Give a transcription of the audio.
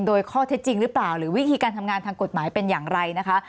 โดยข้อเท็จจริงหรือเปล่าหรือวิธีการทำงานทางกฎหมายเป็นอย่างไรนะคะ